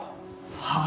はあ？